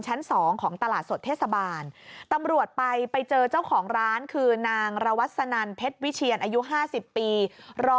ชั้น๒ของตลาดสดเทศบาลตำรวจไปไปเจอเจ้าของร้านคือนางระวัสนันเพชรวิเชียนอายุ๕๐ปีรอ